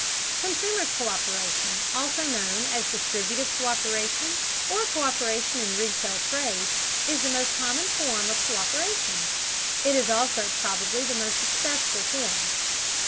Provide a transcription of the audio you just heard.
Consumers' co÷peration, also known as distributive co÷peration or co÷peration in retail trade, is the most common form of co÷peration. It is also probably the most successful form.